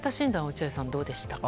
落合さん、どうでしたか？